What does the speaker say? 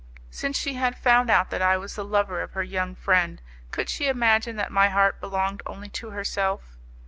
Since she had found out that I was the lover of her young friend, could she imagine that my heart belonged only to herself?